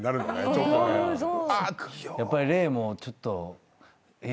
やっぱり霊もちょっと。